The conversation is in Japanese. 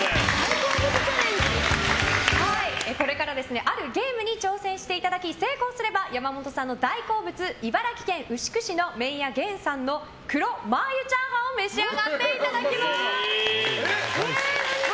これからあるゲームに挑戦していただき成功すれば山本さんの大好物茨城県牛久市の麺屋元さんの黒マー油炒飯を召し上がっていただきます。